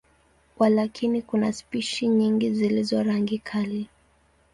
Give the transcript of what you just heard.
Walakini, kuna spishi nyingi zilizo rangi kali.